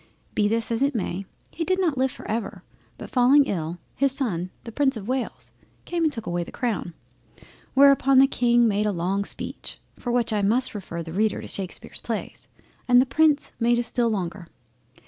Be this as it may, he did not live for ever, but falling ill, his son the Prince of Wales came and took away the crown; whereupon the King made a long speech, for which I must refer the Reader to Shakespear's Plays, and the Prince made a still longer.